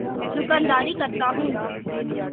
دوکانداری کرتا ہوں۔